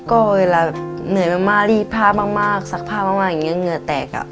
ก็เวลาเหนื่อยมากรีบพลาดมากซักพลาดมากอย่างนี้เงินแตกอะ